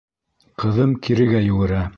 Ҡыҙым кирегә югерә.